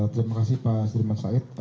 terima kasih pak sudirman said